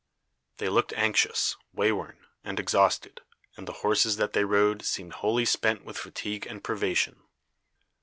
They looked anxious, way worn, and exhausted, and the horses that they rode seemed wholly spent with fatigue and privation.